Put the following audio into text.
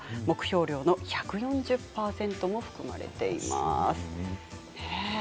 目標量の１４０％も含まれています。